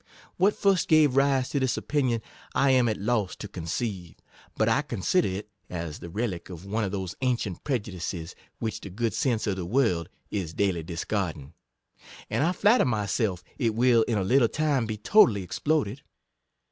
What first gave rise to this opinion, I am at loss to con ceive ; but I consider it as the relic of one of those ancient prejudices which the good sense of the world is daily discarding ; and I flatter myself it will in a little time be totally explo ded.